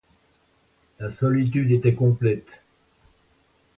La solitude était complète.